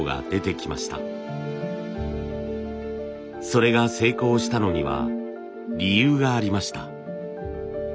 それが成功したのには理由がありました。